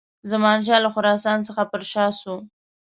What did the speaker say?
زمانشاه له خراسان څخه پر شا سو.